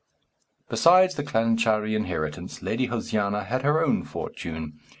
Besides the Clancharlie inheritance, Lady Josiana had her own fortune.